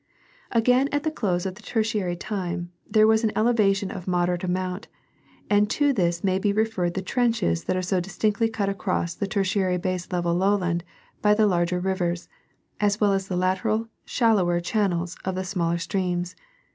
— Again at the close of Tertiary time, there was an elevation of moderate amount, and to this niay be refei red the trenches that are so distinctly cut across the Ter tiary baselevel lowland by the larger rivers, as well as the lateral Fig. 4. shallower channels of the smaller streams.